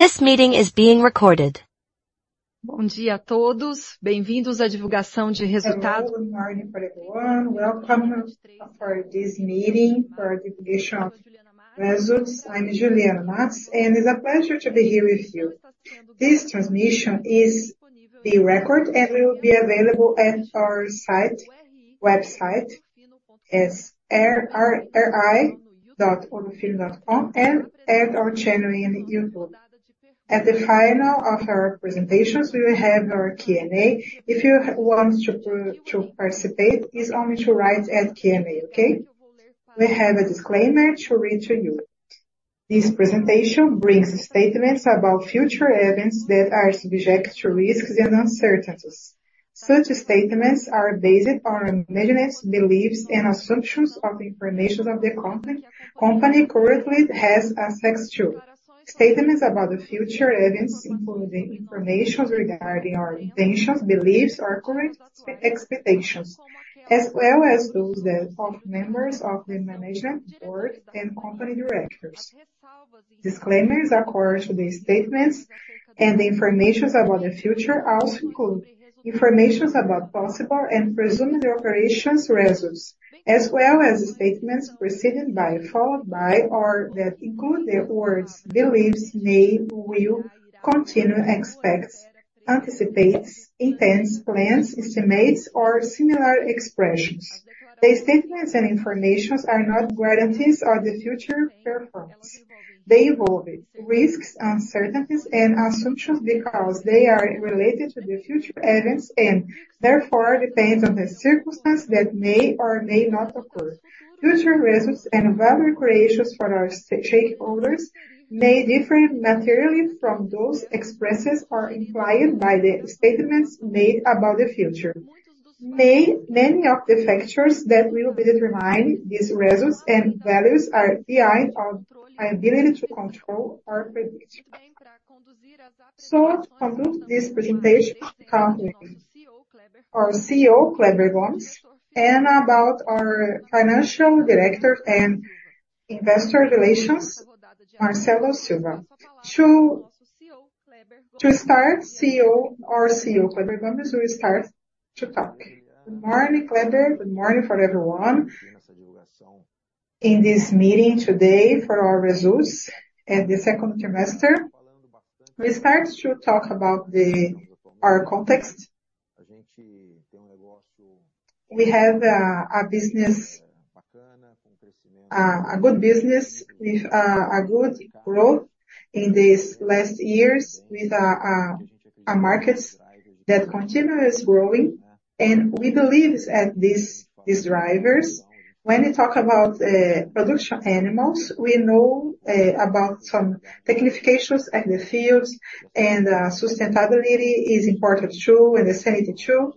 This meeting is being recorded. Bom dia a todos. Bem-vindos à divulgação de resultados- Hello, good morning everyone. Welcome to this meeting for the publication of results. I'm Juliana Matos, and it's a pleasure to be here with you. This transmission is being recorded and will be available at our website, ri.ourofino.com, and at our channel in YouTube. At the final of our presentations, we will have our Q&A. If you want to participate, it's only to write at Q&A, okay? We have a disclaimer to read to you. This presentation brings statements about future events that are subject to risks and uncertainties. Such statements are based on management's beliefs and assumptions of information of the company currently has access to. Statements about the future events include the informations regarding our intentions, beliefs, or current expectations, as well as those of members of the management board and company directors. Disclaimers according to these statements and the informations about the future also include informations about possible and presumed operations results, as well as statements preceded by, followed by, or that include the words believes, may, will, continue, expects, anticipates, intends, plans, estimates, or similar expressions. The statements and informations are not guarantees of the future performance. They involve risks, uncertainties, and assumptions because they are related to the future events and therefore depend on the circumstances that may or may not occur. Future results and value creations for our shareholders may differ materially from those expressed or implied by the statements made about the future. Many of the factors that will determine these results and values are beyond our ability to control or predict. To conduct this presentation, we have our CEO, Kleber Gomes, and our financial director and investor relations, Marcelo Silva. To start, our CEO, Kleber Gomes will start to talk. Good morning, Kleber. Good morning for everyone. In this meeting today for our results at the second trimester. We start to talk about our context. We have a good business with a good growth in these last years with our markets that continues growing, and we believe in these drivers. When we talk about production animals, we know about some technifications in the fields, and sustainability is important too, and safety too.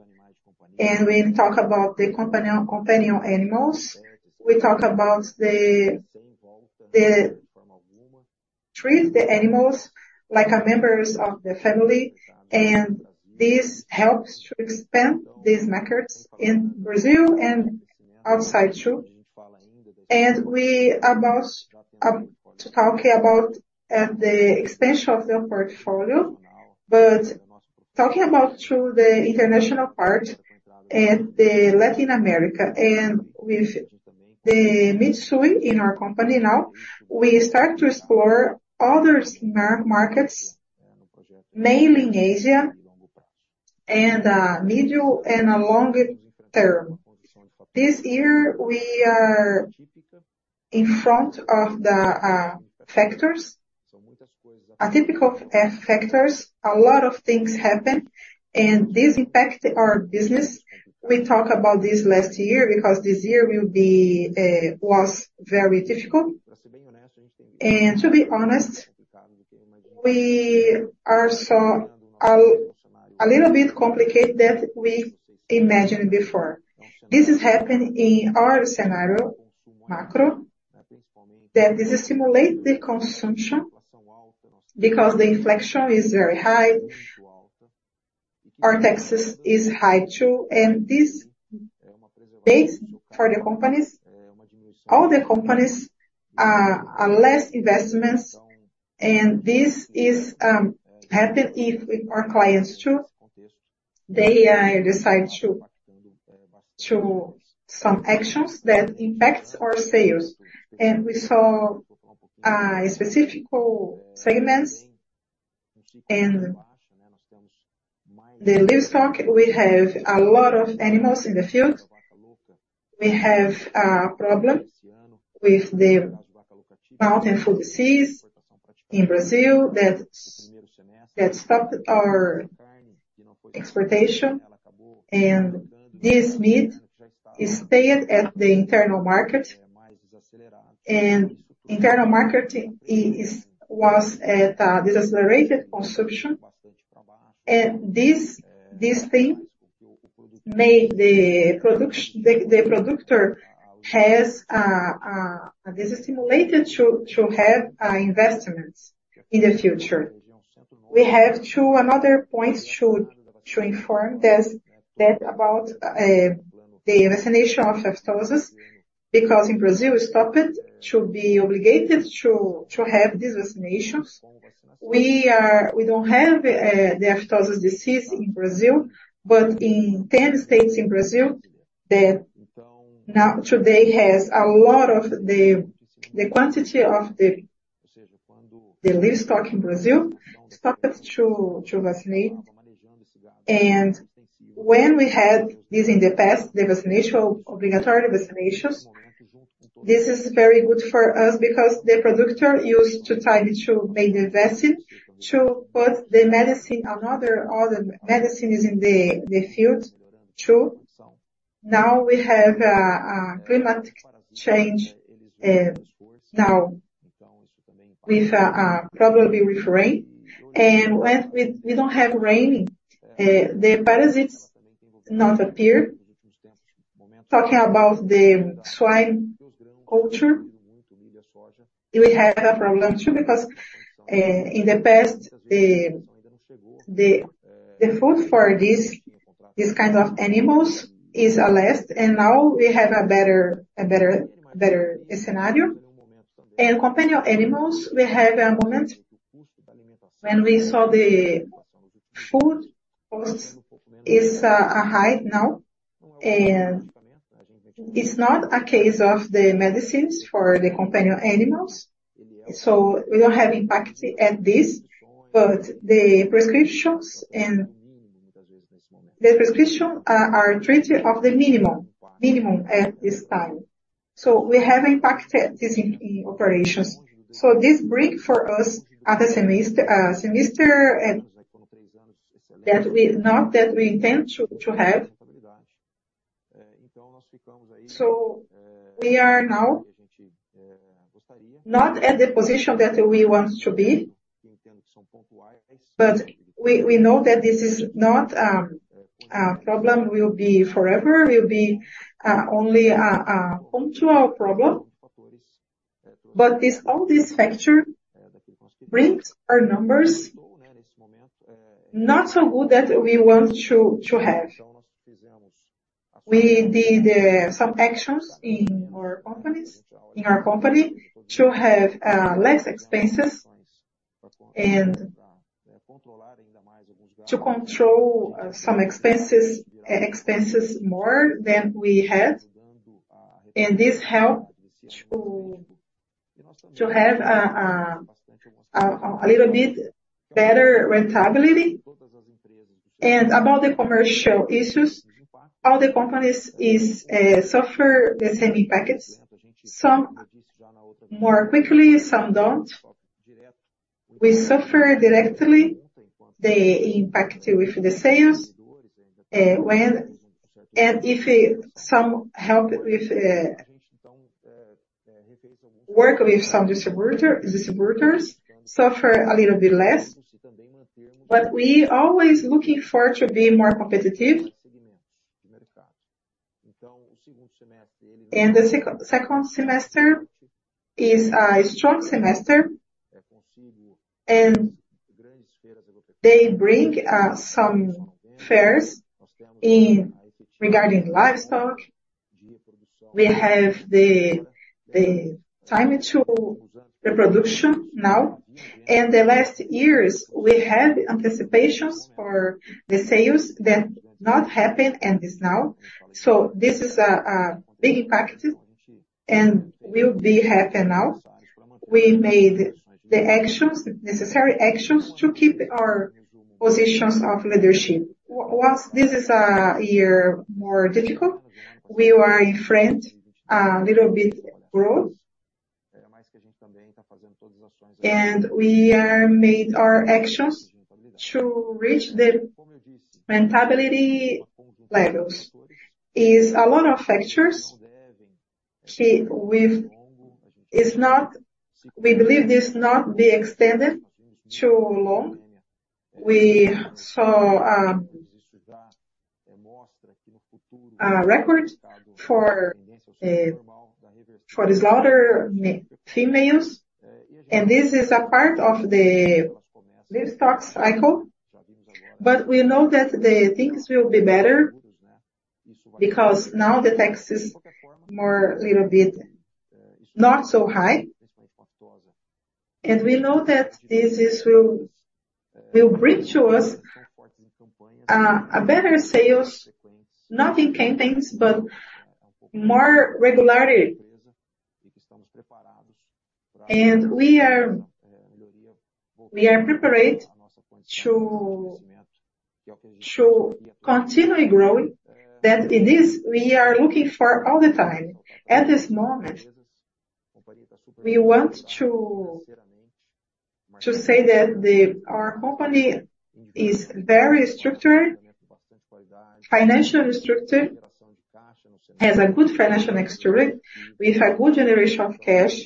We talk about the companion animals. We talk about they treat the animals like members of the family, and this helps to expand these markets in Brazil and outside too. We are about to talk about the expansion of the portfolio, but talking about through the international part and the Latin America. With the Mitsui in our company now, we start to explore other similar markets, mainly in Asia, and middle and long-term. This year we are in front of the factors. Atypical factors. A lot of things happened, and this impacted our business. We talk about this last year because this year was very difficult. To be honest, a little bit complicated than we imagined before. This is happening in our scenario, macro, that this stimulate the consumption because the inflation is very high. Our taxes is high too, and this base for the companies, all the companies are less investments, and this happened with our clients too. They decide some actions that impact our sales. We saw specific segments. In the livestock, we have a lot of animals in the field. We have a problem with the foot-and-mouth disease in Brazil that stopped our exportation. This meat stayed at the internal market, internal market was at a decelerated consumption. This thing made the producer disincentivized to have investments in the future. We have another point to inform about a. The vaccination of aftosa, Brazil stopped to be obligated to have these vaccinations. We don't have the aftosa disease in Brazil, but in 10 states in Brazil, today a lot of the quantity of the livestock in Brazil stopped to vaccinate. When we had this in the past, the obligatory vaccinations, this is very good for us because the producer used to tie to make the vaccine, to put all the medicines in the field too. Now we have a climatic change, probably with rain. When we don't have rain, the parasites do not appear. Talking about the swine culture, we have a problem too, because in the past, the food for this kind of animals is less, and now we have a better scenario. Companion animals, we have a moment when we saw the food cost is high now. It's not a case of the medicines for the companion animals. We don't have impact at this, but the prescriptions are treated of the minimum at this time. We have impacted this in operations. This brings for us a semester that we did not intend to have. We are now not at the position that we want to be, but we know that this problem will not be forever, will be only a punctual problem. All these factors bring our numbers not so good that we want to have. We did some actions in our company to have less expenses and to control some expenses more than we had, and this helped to have a little bit better profitability. About the commercial issues, all the companies suffer the same impacts. Some more quickly, some don't. We suffer directly the impact with the sales. If some help with work with some distributors suffer a little bit less. We are always looking for to be more competitive. The second semester is a strong semester, and they bring some fairs regarding livestock. We have the time for reproduction now. In the last years, we have anticipations for the sales that did not happen and are now. This is a big impact, and will happen now. We made the necessary actions to keep our positions of leadership. Whilst this is a year more difficult, we are in front of a little bit of growth. We have made our actions to reach the profitability levels. There are a lot of factors. We believe this will not be extended too long. We saw a record for slaughter females, and this is a part of the livestock cycle. We know that the things will be better, because now the tax is more little bit not so high. We know that this will bring to us better sales, not in campaigns, but more regularly. We are prepared to continually growing. That it is we are looking for all the time. At this moment, we want to say that our company is very structured, financially structured, has a good financial history. We have good generation of cash.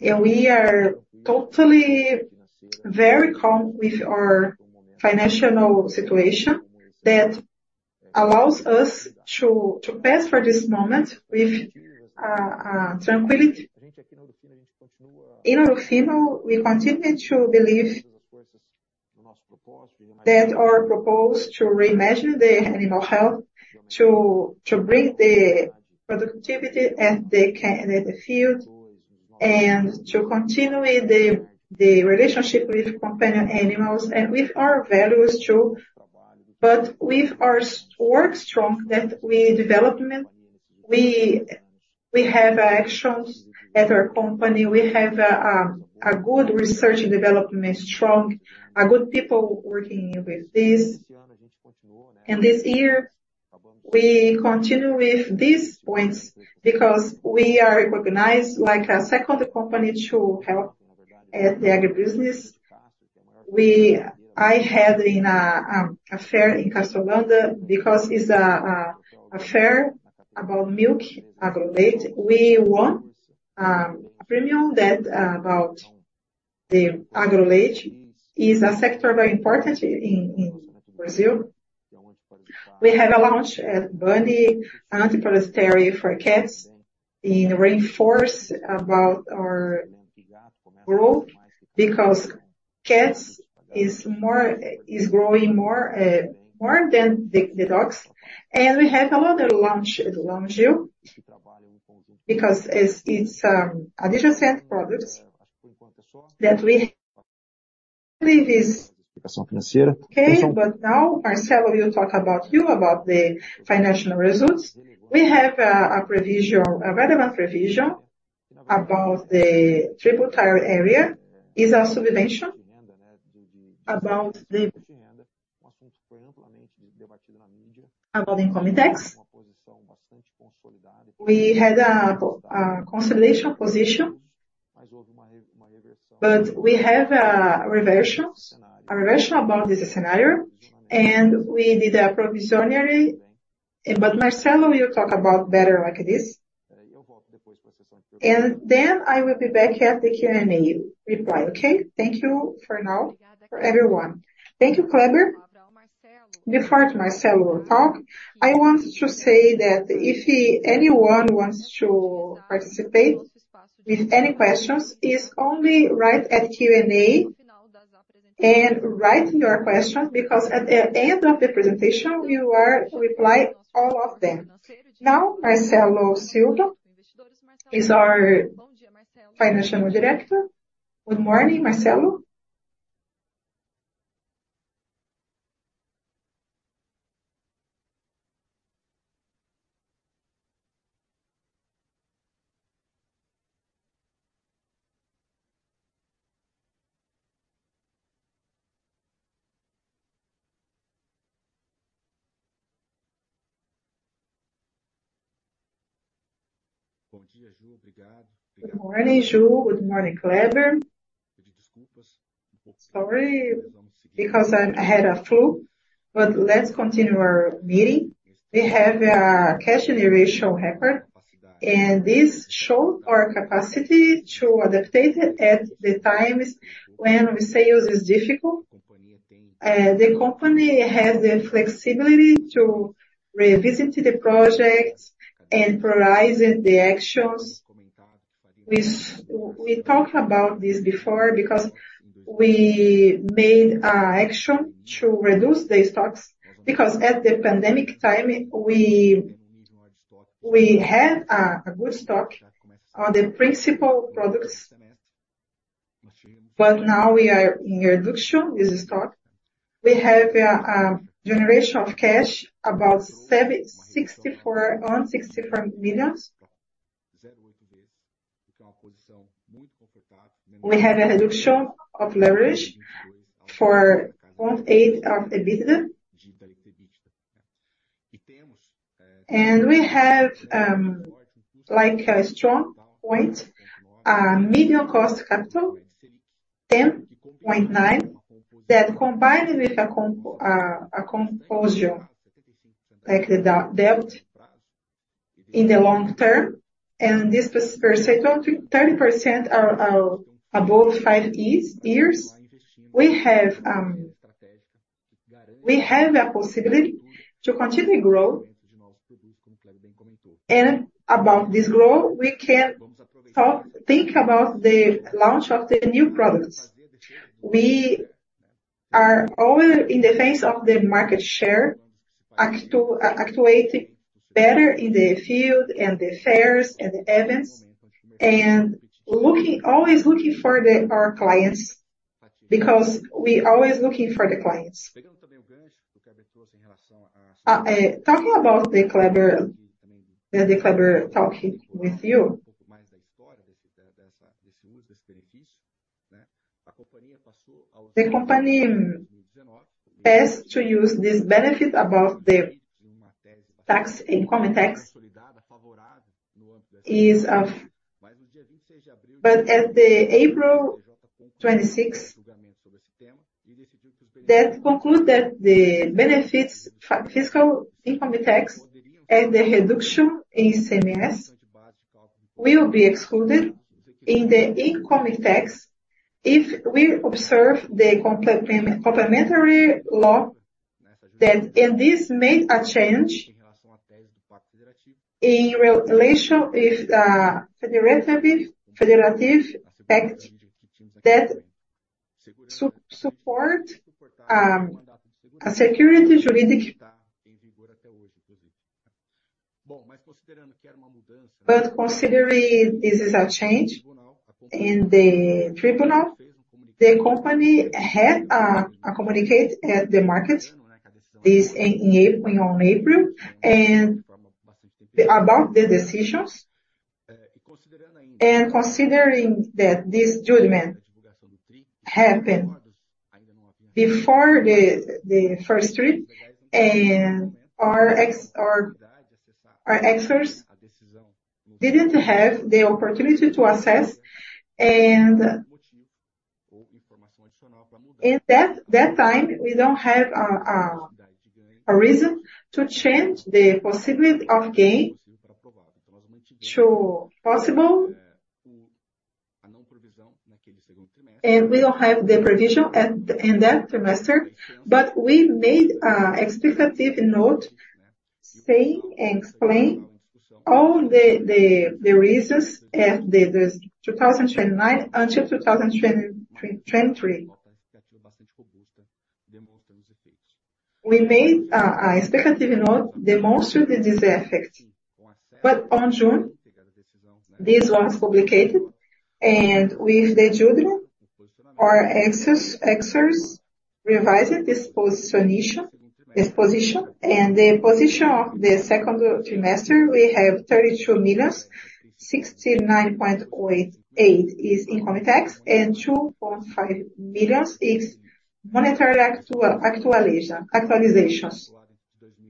We are totally very calm with our financial situation that allows us to pass for this moment with tranquility. In Ouro Fino, we continue to believe that our purpose to reimagine the animal health, to bring the productivity at the field, and to continue the relationship with companion animals and with our values, too. With our work strong that we development, we have actions at our company. We have a good research and development strong, a good people working with this. This year we continue with these points because we are recognized as a second company to help at the agribusiness. I had a fair in Castro, Londrina, because it's a fair about milk, Agroleite. We won a premium that about the Agroleite is a sector very important in Brazil. We had a launch at Bandi Antipruritic for cats in reinforce about our growth because cats is growing more than the dogs. We have another launch at Longview because it's additional scent products that we believe is okay. Now Marcelo will talk about you, about the financial results. We have a relevant revision about the tributary area is a subvention about the income tax. We had a consolidation position. We have a reversion about this scenario, and we did a provision. Marcelo will talk about better like this. I will be back at the Q&A reply, okay? Thank you for now, everyone. Thank you, Kleber. Before Marcelo will talk, I want to say that if anyone wants to participate with any questions, is only write at Q&A and write your question because at the end of the presentation, we will reply all of them. Now, Marcelo Silva is our Chief Financial Officer. Good morning, Marcelo. Good morning, Ju. Good morning, Kleber. Sorry, because I had a flu. Let's continue our meeting. We have a cash generation record. This show our capacity to adapt at the times when sales is difficult. The company has the flexibility to revisit the projects and prioritize the actions. We talked about this before because we made action to reduce the stocks, because at the pandemic time, we had a good stock on the principal products. Now we are in reduction with the stock. We have a generation of cash about on 64 million. We had a reduction of leverage to 0.8 of the EBITDA. We have a strong point, medium cost capital, 10.9, that combined with a composition like the debt in the long term, and this per se, 30% are above five years. We have a possibility to continue growth. About this growth, we can think about the launch of the new products. We are always in the face of the market share, actuating better in the field and the fairs and the events, and always looking for our clients because we always looking for the clients. Talking about the Kleber talking with you. The company asked to use this benefit about the tax income tax. On April 26, that conclude that the benefits, fiscal income tax and the reduction in ICMS will be excluded in the income tax if we observe the Lei Complementar, this made a change in relation with the Pacto Federativo that support security juridic. Considering this is a change in the tribunal, the company had a communicate at the market on April about the decisions. Considering that this judgment happened before the first trip, our experts didn't have the opportunity to assess and at that time, we don't have a reason to change the possibility of gain to probable. We don't have the provision in that trimester, we made a explicative note saying and explain all the reasons at the 2019 until 2023. We made a explicative note demonstrating this effect. On June, this was published, with the judgment, our experts revised this position and the position of the second trimester, we have 32 million, 69.8 is income tax and 2.5 million is monetary adjustments.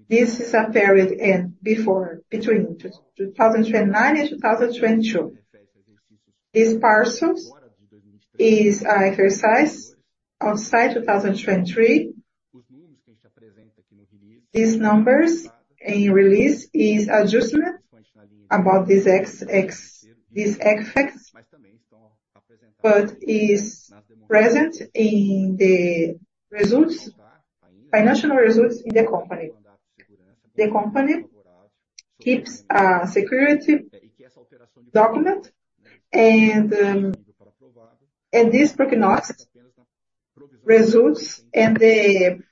This is a period between 2019 and 2022. These parcels is exercised outside 2023. These numbers in release is adjustment about these effects, is present in the financial results in the company. The company keeps a security document and this prognosis results in the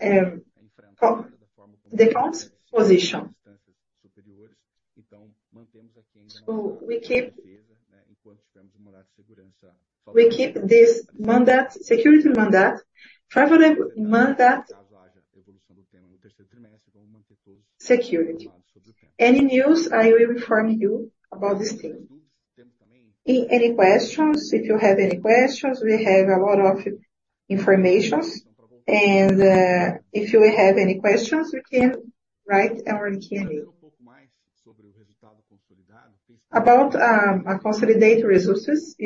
position. We keep this mandado de segurança, favorable mandado de segurança. Any news, I will inform you about this thing. Any questions. If you have any questions, we have a lot of informations. If you have any questions, you can write and we can. About consolidated resources,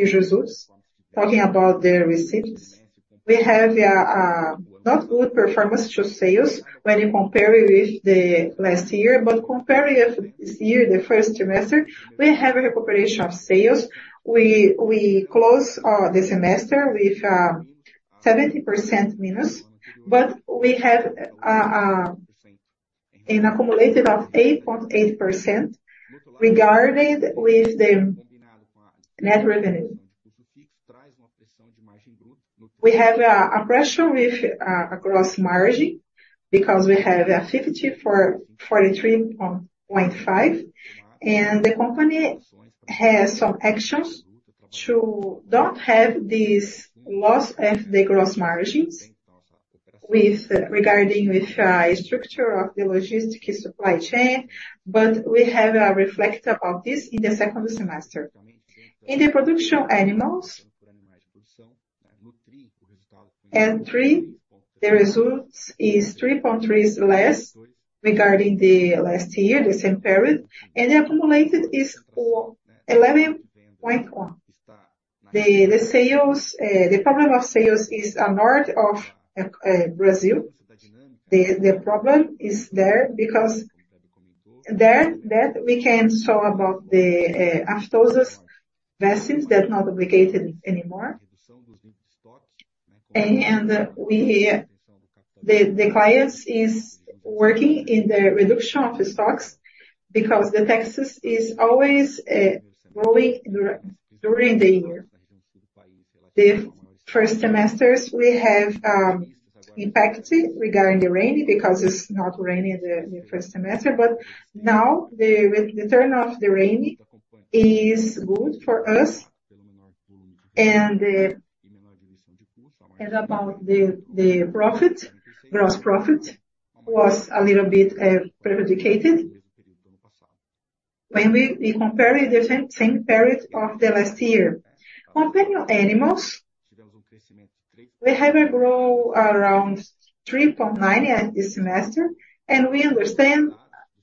talking about the receipts, we have a not good performance to sales when you compare it with the last year, compare it with this year, the first trimester, we have a recovery of sales. We close the semester with 17% minus, we have an accumulated of 8.8% regarding with the net revenue. We have a pressure with a gross margin because we have a 50% for 43.5%, the company has some actions to not have this loss at the gross margins regarding with structure of the logistic supply chain, we have a reflect about this in the second semester. In the production animals and three, the results is 3.3% less regarding the last year, the same period, the accumulated is 11.1%. The problem of sales is North of Brazil. The problem is there because there we can talk about the aftosa vaccines that not obligated anymore. The clients is working in the reduction of stocks because the taxes is always growing during the year. The first semesters we have impact regarding the rain because it's not raining in the first semester, now the return of the rain is good for us about the gross profit was a little bit prejudiced when we compare the same period of the last year. Companion animals, we have a growth around 3.9% at this semester and we understand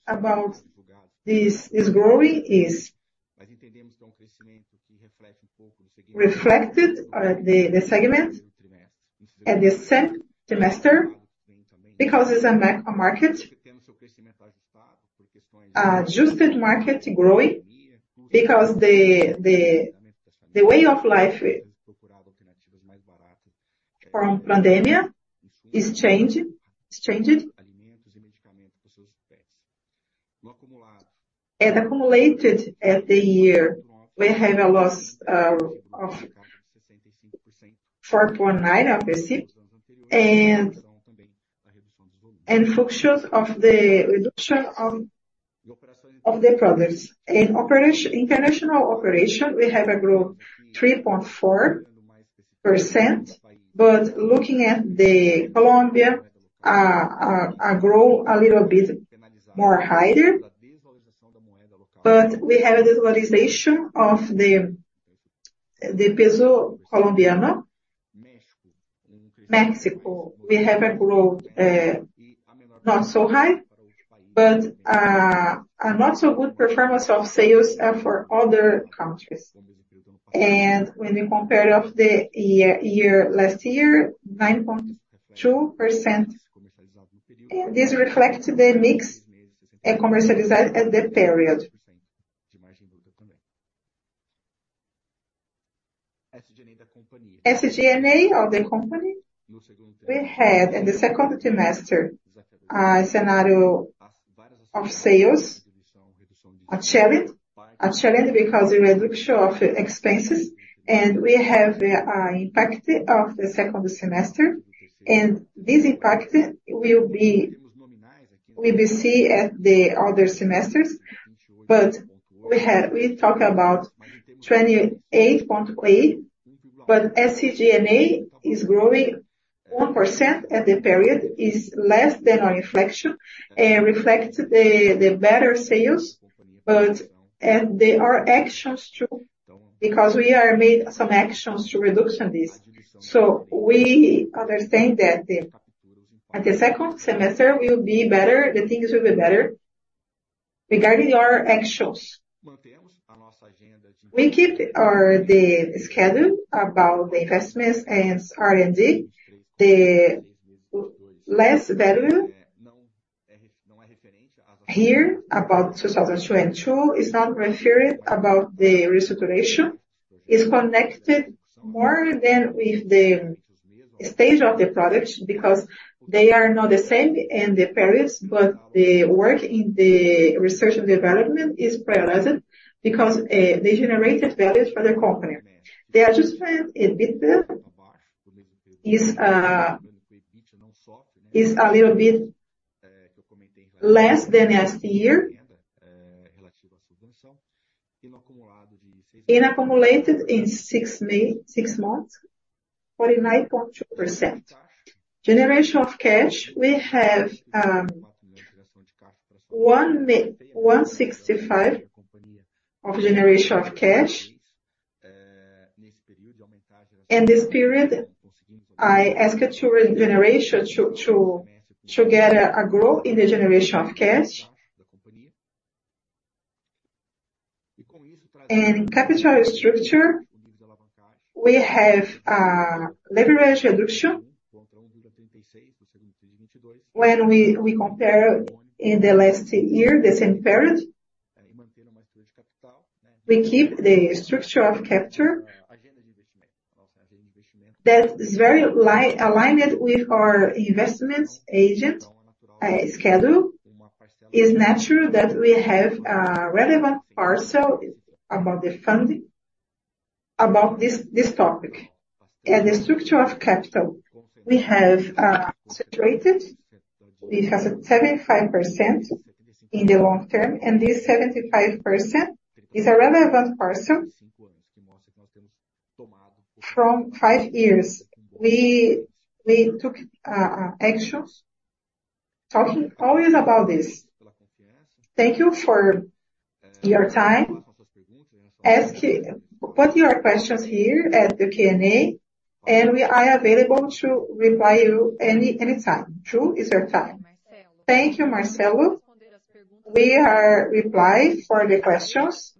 about this growing is reflected at the segment at the second trimester because it's adjusted market growing because the way of life from pandemia is changed. Accumulated at the year, we have a loss of 4.9% and functions of the reduction of the products. In international operation, we have a growth 3.4%, but looking at Colombia, grow a little bit more higher. We have a virtualization of the peso Colombiano. Mexico, we have a growth, not so high, but a not so good performance of sales for other countries. When you compare of the last year, 9.2%, and this reflects the mix commercialized at the period. SG&A of the company. We had in the second trimester a scenario of sales, a challenge. A challenge because the reduction of expenses and we have the impact of the second semester and this impact will be seen at the other semesters. We talk about 28.8%, but SG&A is growing 1% at the period, is less than our inflation and reflects the better sales. There are actions too, because we made some actions to reduction this. We understand that at the second semester will be better, the things will be better regarding our actions. We keep the schedule about the investments and R&D. The less value here about 2022 is not referring about the recirculation, is connected more than with the stage of the products because they are not the same in the periods, but the work in the research and development is prioritized because they generated values for the company. The adjusted EBITDA is a little bit less than last year. In accumulated in six months, 49.2%. Generation of cash, we have 165 of generation of cash. In this period, I ask generation to get a growth in the generation of cash. Capital structure, we have leverage reduction when we compare in the last year, the same period. We keep the structure of capital that is very aligned with our investments agent schedule. It's natural that we have a relevant parcel about the funding about this topic. The structure of capital, we have situated. It has 75% in the long term, and this 75% is a relevant parcel. From five years, we took actions talking always about this. Thank you for your time. Put your questions here at the Q&A, and we are available to reply you any time. Ju, it's your time. Thank you, Marcelo. We are reply for the questions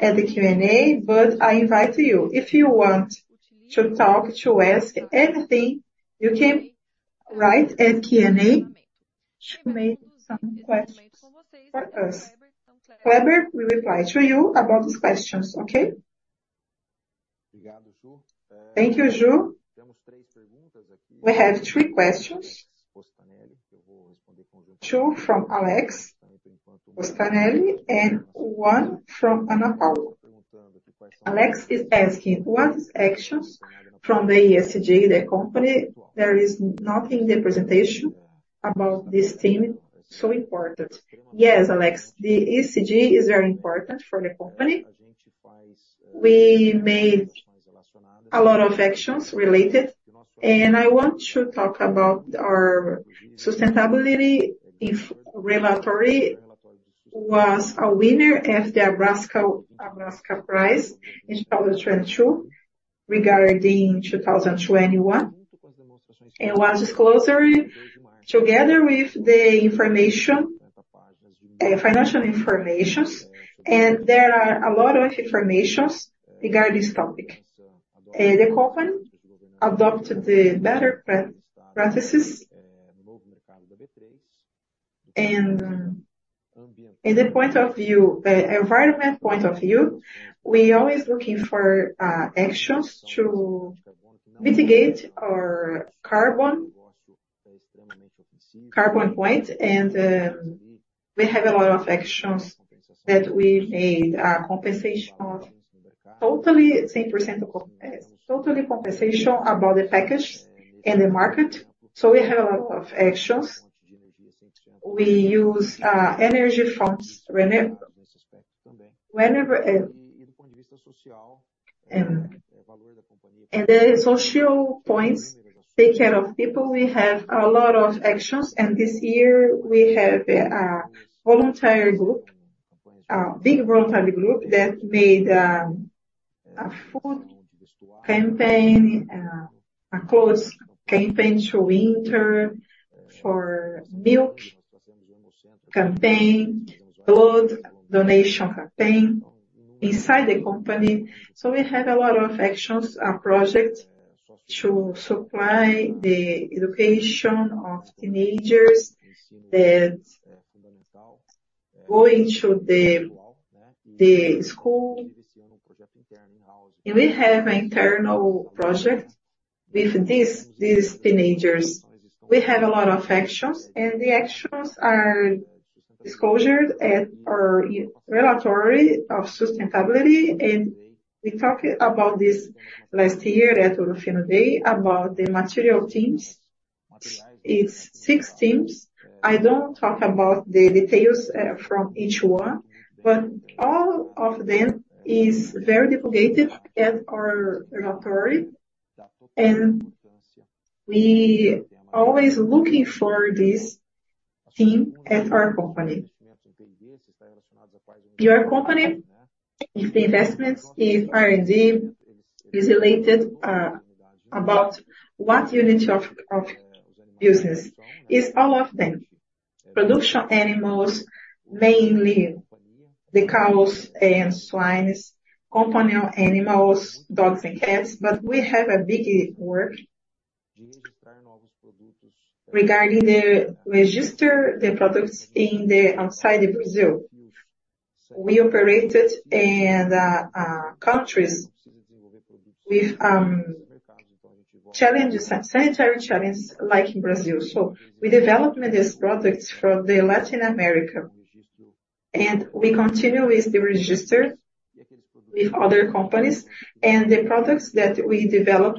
at the Q&A, but I invite you. If you want to talk, to ask anything, you can write at Q&A to make some questions for us. Kleber will reply to you about these questions, okay? Thank you, Ju. We have three questions. Two from Alex Postanelli and one from Ana Paula. Alex is asking, "What is actions from the ESG of the company? There is nothing in the presentation about this theme so important." Yes, Alex, the ESG is very important for the company. We made a lot of actions related, and I want to talk about our sustainability report, which was a winner at the Abrasca prize in 2022 regarding 2021, and was disclosed together with the financial information, and there are a lot of information regarding this topic. The company adopted the better practices. In the environment point of view, we are always looking for actions to mitigate our carbon footprint. We have a lot of actions that we made are totally compensational about the package and the market. We have a lot of actions. We use energy from renewables. The social points, take care of people, we have a lot of actions, and this year we have a big voluntary group that made a food campaign, a clothes campaign through winter, for milk campaign, blood donation campaign inside the company. We have a lot of actions, a project to supply the education of teenagers that are going to the school. We have internal projects with these teenagers. We have a lot of actions, and the actions are disclosed at our report of sustainability. We talked about this last year at Ouro Fino Day, about the material teams. It's six teams. I don't talk about the details from each one, but all of them is very delegated at our report, and we always looking for this team at our company. Your company, if the investments, if R&D is related about what unit of business. It's all of them. Production animals, mainly the cows and swines, companion animals, dogs and cats, but we have a big work regarding the register the products outside Brazil. We operated in countries with sanitary challenges like in Brazil. We develop these products from the Latin America, we continue with the register with other companies and the products that we develop,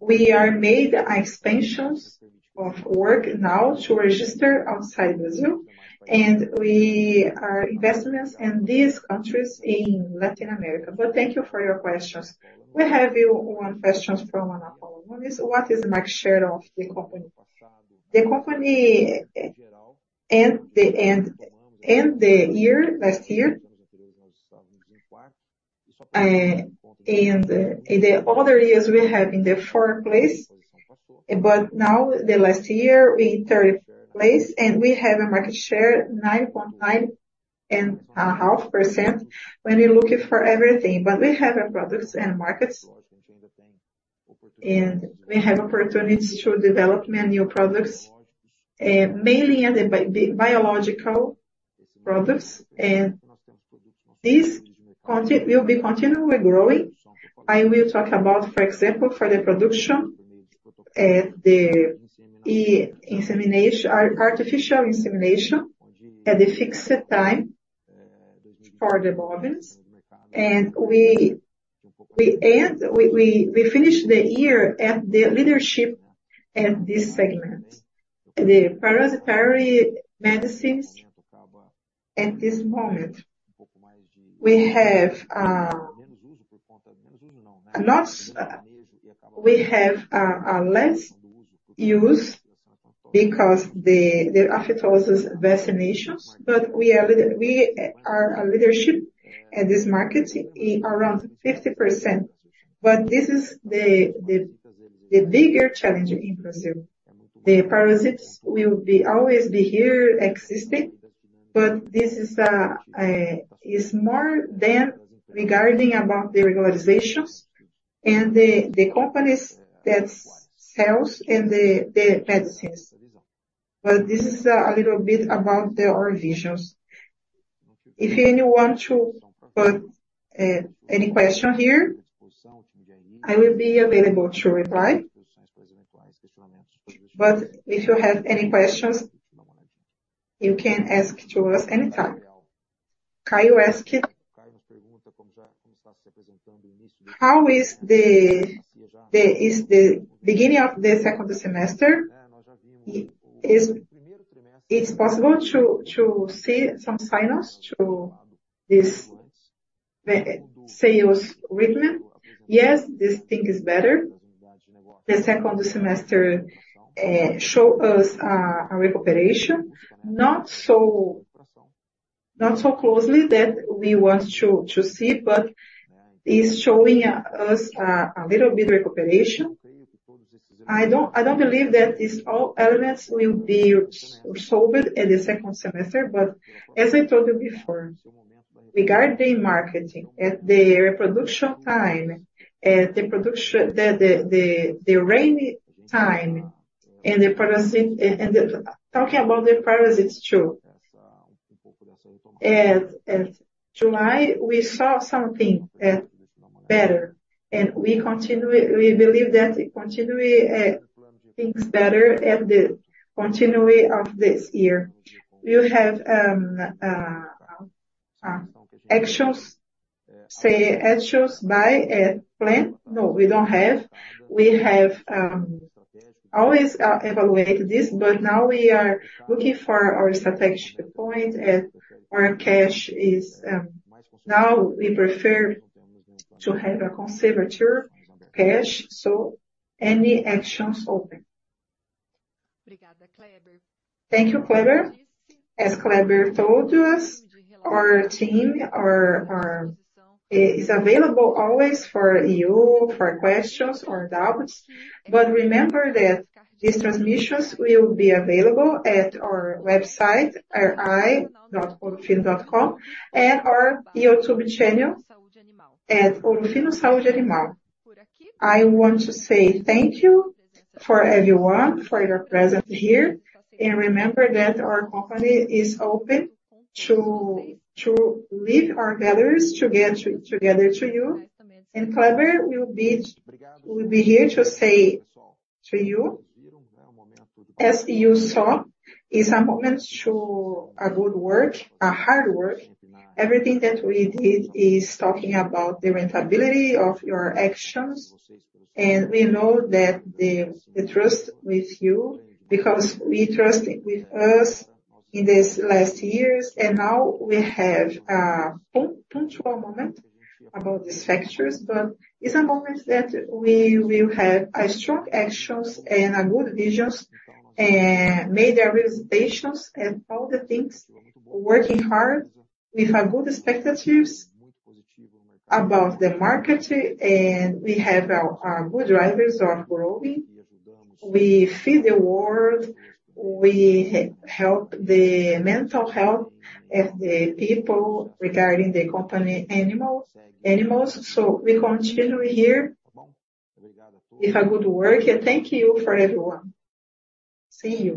we are made expansions of work now to register outside Brazil, and we are investing in these countries in Latin America. Thank you for your questions. We have here one question from Ana Paula. What is market share of the company? The company ended the year, last year, and the other years we have in the fourth place. Now, the last year, we third place, and we have a market share 9.9 and a half% when you're looking for everything. We have our products and markets, and we have opportunities to develop new products, mainly in the biological products. This will be continually growing. I will talk about, for example, for the production, the artificial insemination at a fixed time for the bovines. We finished the year at the leadership in this segment. The parasitic medicines at this moment. We have less use because the aftosa vaccinations, but we are a leadership at this market around 50%. This is the bigger challenge in Brazil. The parasites will always be here existing, but this is more than regarding about the regularizations and the companies that sell and the medicines. This is a little bit about our visions. If anyone want to put any question here, I will be available to reply. If you have any questions, you can ask to us anytime. Caio asked, how is the beginning of the second semester? It's possible to see some signals to this sales rhythm. Yes, this thing is better. The second semester show us a recuperation. Not so closely that we want to see, but it's showing us a little bit recuperation. I don't believe that these all elements will be solved in the second semester, as I told you before. Regarding marketing at the production time, the rainy time, and talking about the parasites too. In July, we saw something better, and we believe that it continue things better at the continuing of this year. We have actions by plan? No, we don't have. We have always evaluated this, but now we are looking for our strategic point and where cash is. Now we prefer to have a conservator cash, so any actions open. Thank you, Kleber. As Kleber told us, our team is available always for you for questions or doubts. Remember that these transmissions will be available at our website, ri.ourofino.com and our YouTube channel at Ouro Fino Saúde Animal. I want to say thank you for everyone, for your presence here, and remember that our company is open to live our values together to you. Kleber will be here to say to you, as you saw, it's a moment to a good work, a hard work. Everything that we did is talking about the profitability of your actions, and we know that the trust with you because we trust with us in this last years. Now we have a punctual moment about these factors, but it's a moment that we will have a strong actions and good visions and made the realizations and all the things, working hard with a good expectations about the market, and we have our good drivers are growing. We feed the world. We help the mental health of the people regarding the companion animals. We continue here with a good work. Thank you for everyone. See you